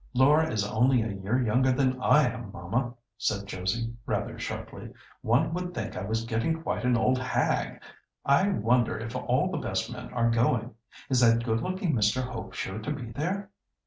"Laura is only a year younger than I am, mamma," said Josie, rather sharply. "One would think I was getting quite an old hag. I wonder if all the best men are going? Is that good looking Mr. Hope sure to be there?"